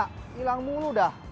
hilang mulu dah